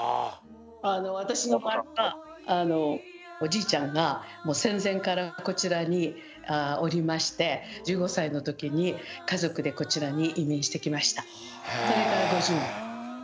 私の場合はおじいちゃんが戦前からこちらにおりまして１５歳の時に家族でこちらに移民してきました。